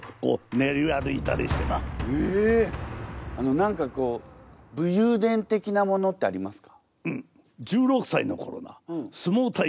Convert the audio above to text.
何かこう武勇伝的なものってありますか？